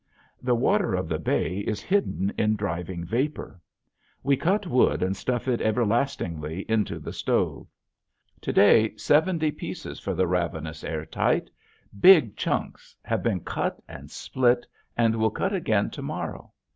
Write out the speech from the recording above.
The water of the bay is hidden in driving vapor. We cut wood and stuff it everlastingly into the stove. To day seventy pieces for the ravenous air tight, big chunks, have been cut and split and we'll cut again to morrow.